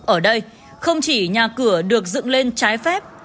ở đây không chỉ nhà cửa được dựng lên trái phép